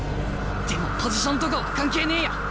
でもポジションとかは関係ねえや。